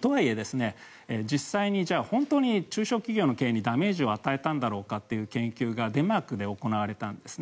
とはいえ、実際に本当に中小企業の経営にダメージを与えたんだろうかという研究がデンマークで行われたんですね。